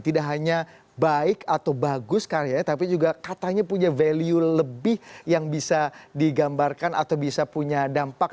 tidak hanya baik atau bagus karya tapi juga katanya punya value lebih yang bisa digambarkan atau bisa punya dampak